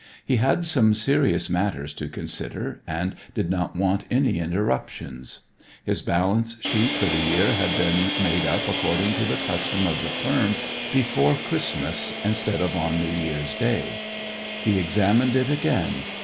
He had some serious matters to consider and did not want any interruptions. His balance sheet for the year had been made up according to the custom of the firm before Christmas instead of on New Year's Day. He examined it again.